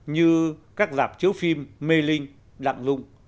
như các dạp chiếu phim mê linh đặng dung